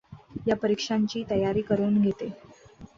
या परीक्षांची तयारी करून घेते.